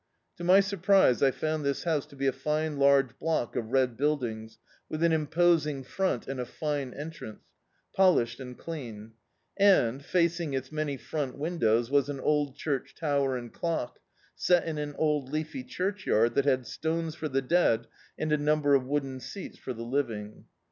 To my surprise, I found this house to be a fine large block of red buildings, with an imposing front, and a iine entrance, polished and clean; and, facing its many front windows, was an old church tower and clock, set in an old leafy churchyard that had stones for the dead and a num ber of wooden seats for the living.